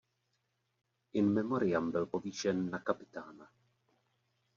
In memoriam byl povýšen na kapitána.